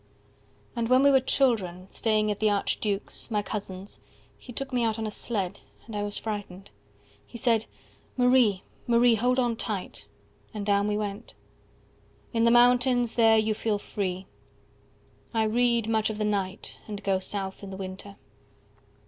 And when we were children, staying at the archduke's, My cousin's, he took me out on a sled, And I was frightened. He said, Marie, 15 Marie, hold on tight. And down we went. In the mountains, there you feel free. I read, much of the night, and go south in the winter.